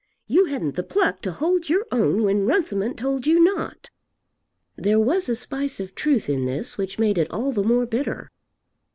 You hadn't the pluck to hold to your own when Runciman told you not." There was a spice of truth in this which made it all the more bitter.